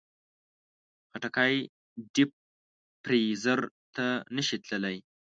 خټکی ډیپ فریزر ته نه شي تللی.